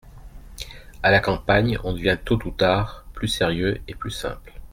À la campagne, on devient tôt ou tard plus sérieux et plus simple.